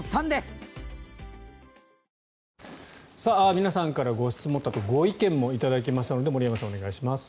皆さんからご質問とご意見も頂きましたので森山さん、お願いします。